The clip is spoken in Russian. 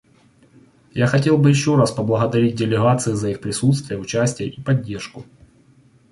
Я хотел бы еще раз поблагодарить делегации за их присутствие, участие и поддержку.